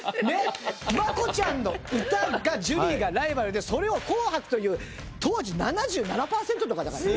真子ちゃんの歌が『ジュリーがライバル』でそれを『紅白』という当時７７パーセントとかだからね。